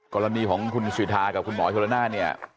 กรณีของคุณสิทธากับคุณหมอชนละนานเนี่ย